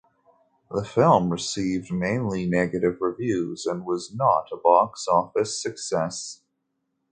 The film received mainly negative reviews and was not a box-office success.